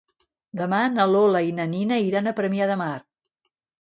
Demà na Lola i na Nina iran a Premià de Mar.